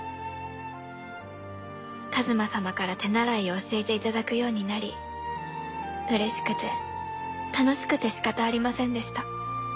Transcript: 一馬様から手習いを教えていただくようになりうれしくて楽しくてしかたありませんでした。